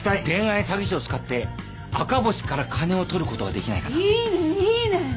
恋愛詐欺師を使って赤星から金を取ることはできないかな？